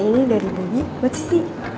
ini dari bobi buat sisi